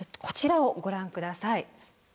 こちらをご覧下さい。